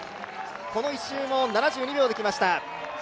この１周も７２秒できました。